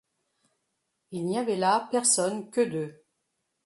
Il n’y avait là personne qu’eux deux.